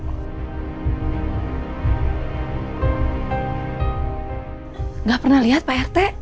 tidak pernah lihat pak rt